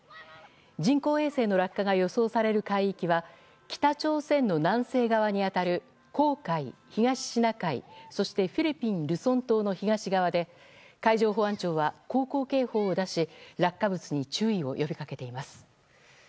人工衛星の落下が予想される海域は北朝鮮の南西側に当たる黄海、東シナ海そしてフィリピン・ルソン島の東側で海上保安庁は、航行警報を出し落下物に注意を呼び掛けています。